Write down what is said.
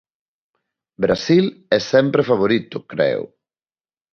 Brasil é sempre favorito, creo.